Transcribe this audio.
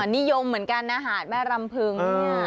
นิยมเหมือนกันนะฮะหาดแม่รำพึงนี่